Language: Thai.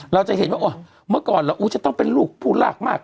เราจะเห็นว่าเมื่อก่อนเราจะต้องเป็นลูกผู้ลากมาก